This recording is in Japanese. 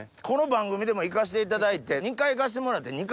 この番組でも行かしていただいて２回行かしてもらって。